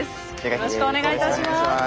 よろしくお願いします。